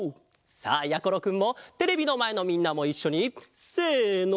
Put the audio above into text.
さあやころくんもテレビのまえのみんなもいっしょにせの！